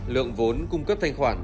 lượng vốn cung cấp thanh khoản